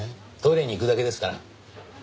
トイレに行くだけですから。